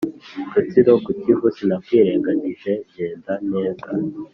rutsiro ku kivu sinakwirengagije genda neza